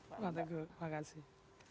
pak teguh terima kasih